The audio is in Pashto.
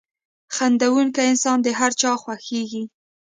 • خندېدونکی انسان د هر چا خوښېږي.